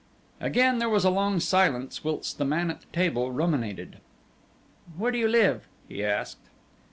Again there was a long silence whilst the man at the table ruminated. "Where do you live?" he asked.